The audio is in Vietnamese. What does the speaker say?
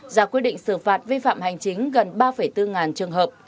già quy định sử phạt vi phạm hành chính gần ba bốn ngàn trường hợp